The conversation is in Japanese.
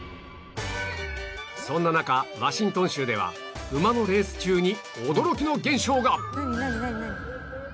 そんな中ワシントン州では馬のレース中に驚きの現象が！